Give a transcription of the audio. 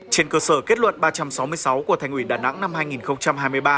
trên cơ sở kết luận ba trăm sáu mươi sáu của thành ủy đà nẵng năm hai nghìn hai mươi ba